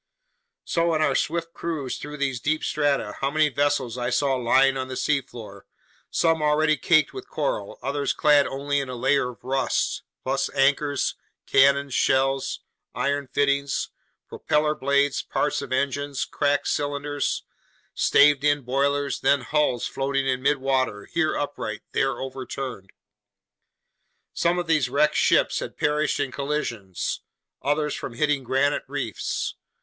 So, in our swift cruise through these deep strata, how many vessels I saw lying on the seafloor, some already caked with coral, others clad only in a layer of rust, plus anchors, cannons, shells, iron fittings, propeller blades, parts of engines, cracked cylinders, staved in boilers, then hulls floating in midwater, here upright, there overturned. Some of these wrecked ships had perished in collisions, others from hitting granite reefs.